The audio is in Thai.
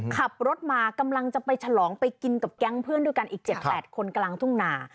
ขับรถมากำลังจะไปฉลองไปกินกับแก๊งเพื่อนด้วยกันอีก๗๘คนกลางทุ่งนา